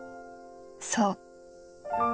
そう。